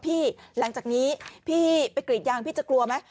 หลังจากนี้พี่ไปกรีดยางพี่จะกลัวไหม